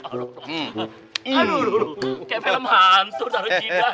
aduh kepel mantur